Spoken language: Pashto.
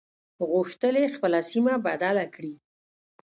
غوښتل يې خپله سيمه بدله کړي.